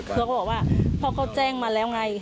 ลูกค้าบอกว่าพ่อเขาแจ้งมาแล้วไง